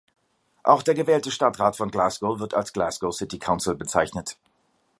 Auch der gewählte Stadtrat von Glasgow wird als Glasgow City Council bezeichnet.